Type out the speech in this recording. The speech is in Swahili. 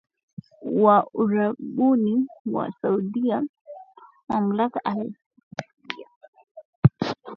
wa Uarabuni wa Saudia mamlaka alarabiyya assaaudiyya ni nchi